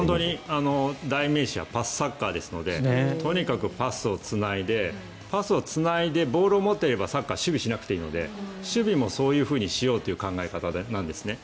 代名詞はパスサッカーですのでとにかくパスをつないでパスをつないでボールを持っていればサッカーは守備をしなくていいので守備もそういうふうにしようという考え方なんですね。